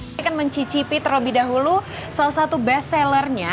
saya akan mencicipi terlebih dahulu salah satu bestsellernya